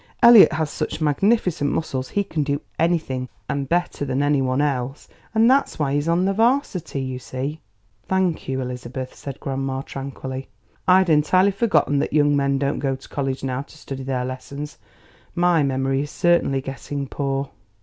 Elliot has such magnificent muscles he can do anything, and better than any one else, and that's why he's on the varsity, you see!" "Thank you, Elizabeth," said grandma tranquilly. "I'd entirely forgotten that young men don't go to college now to study their lessons. My memory is certainly getting poor."